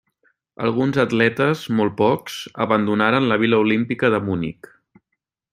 Alguns atletes, molt pocs, abandonaren la vila olímpica de Munic.